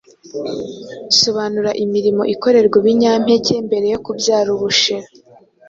Sobanura imirimo ikorerwa ibinyampeke mbere yo kubyara ubushera.